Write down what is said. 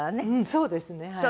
そうですねはい。